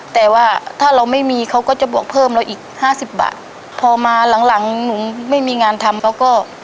แต่ว่าถ้าเราไม่มีเขาก็จะบวกเพิ่มเราอีกห้าสิบบาทพอมาหลังหลังหนูไม่มีงานทำเขาก็